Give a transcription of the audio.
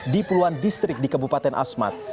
di puluhan distrik di kabupaten asmat